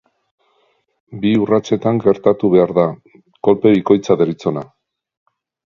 Bi urratsetan gertatu behar da, kolpe bikoitza deritzona.